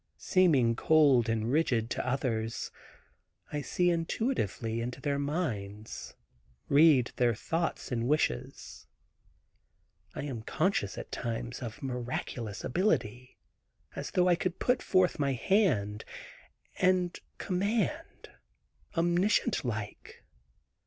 Seeming cold and rigid to others, I see intuitively into their minds, read their thoughts and wishes. I am conscious at times of miraculous ability, as though I could put forth my hand, and command omniscient like.